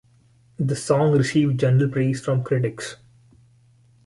The song received general praise from critics.